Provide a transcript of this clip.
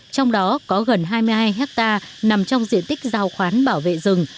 trong đó có gần hai mươi hai hectare nằm trong diện tích giao khoán bảo vệ rừng